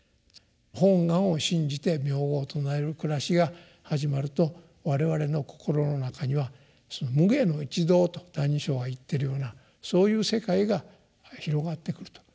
本願を信じて名号を称える暮らしが始まると我々の心の中にはその「無礙の一道」と「歎異抄」が言っているようなそういう世界が広がってくると。